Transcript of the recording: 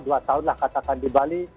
dua tahun lah katakan di bali